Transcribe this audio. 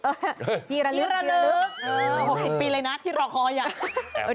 เออ๖๐ปีเลยนะที่รอคอย